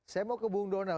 saya mau ke bung donal